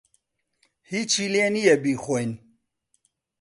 ھیچی لێ نییە بیخۆین.